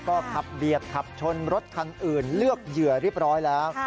ก็ขับเบียดขับชนรถคันอื่นเลือกเหยื่อเรียบร้อยแล้ว